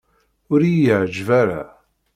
Ur iyi-yeɛǧib ara.